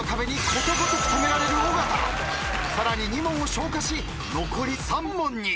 さらに２問を消化し残り３問に。